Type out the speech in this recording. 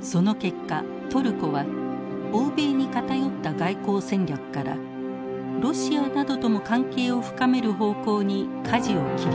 その結果トルコは欧米に偏った外交戦略からロシアなどとも関係を深める方向に舵を切りました。